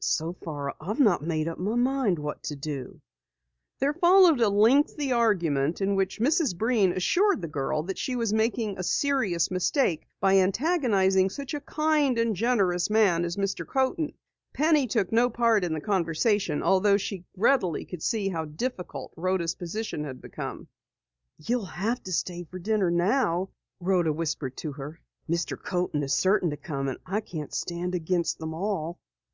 "So far I've not made up my mind what to do." There followed a lengthy argument in which Mrs. Breen assured the girl that she was making a serious mistake by antagonizing such a kind, generous man as Mr. Coaten. Penny took no part in the conversation, although she readily could see how difficult had become Rhoda's position. "You'll have to stay to dinner now," Rhoda whispered to her. "Mr. Coaten is certain to come, and I can't stand against them all."